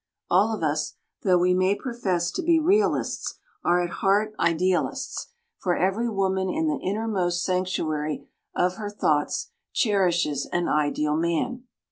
All of us, though we may profess to be realists, are at heart idealists, for every woman in the innermost sanctuary of her thoughts cherishes an ideal man.